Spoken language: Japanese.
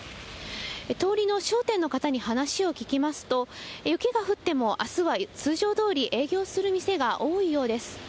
通りの商店の方に話を聞きますと、雪が降ってもあすは通常どおり営業する店が多いようです。